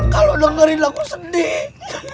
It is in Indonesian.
kalau dengerin lagu sedih